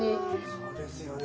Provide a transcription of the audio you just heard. そうですよね。